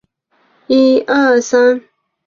隐肺螺为阿地螺科隐肺螺属的动物。